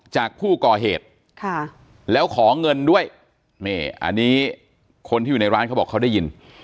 จากผู้ก่อเหตุแล้วขอเงินด้วยนี่อันนี้คนที่อยู่ในร้านเขาบอกเขาได้ยิน